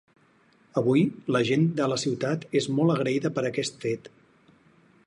Avui, la gent de la ciutat és molt agraïda per aquest fet.